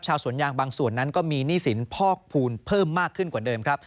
สวนยางบางส่วนนั้นก็มีหนี้สินพอกภูมิเพิ่มมากขึ้นกว่าเดิมครับ